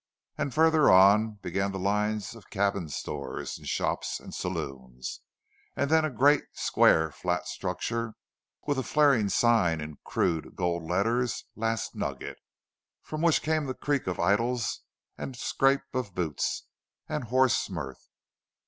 And farther on began the lines of cabins stores and shops and saloons and then a great, square, flat structure with a flaring sign in crude gold letters, "Last Nugget," from which came the creak of iddles and scrape of boots, and hoarse mirth.